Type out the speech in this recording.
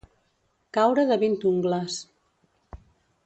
Caure de vint ungles.